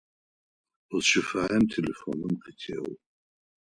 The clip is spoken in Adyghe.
Узщыфаем телефоным къытеу.